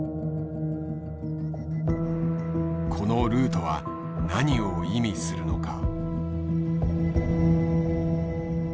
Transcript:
このルートは何を意味するのか？